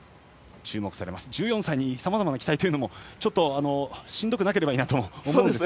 １４歳にさまざまな期待というのもしんどくなければいいなとも思うんですが。